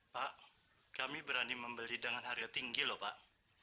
pak kami berani membeli dengan harga tinggi lho pak